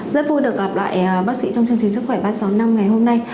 rất vui được gặp lại bác sĩ trong chương trình sức khỏe ba trăm sáu mươi năm ngày hôm nay